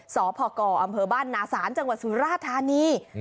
สพกอำเภอบ้านนาศาลจังหวัดสุราธานี